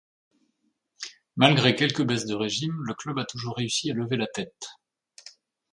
Malgré quelques baisses de régime, le club a toujours réussi à lever la tête.